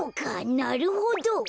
なるほど。